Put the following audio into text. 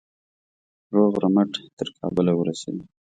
روغ رمټ تر کابله ورسوي.